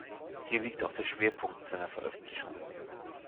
Hier liegt auch der Schwerpunkt seiner Veröffentlichungen.